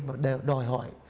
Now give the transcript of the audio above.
và đòi hỏi